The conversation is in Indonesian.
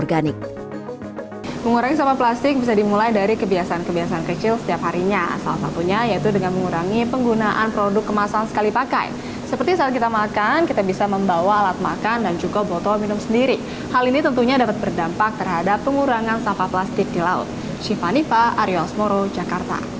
dan membuat sampah kompos di rumah untuk mengurangi sampah organik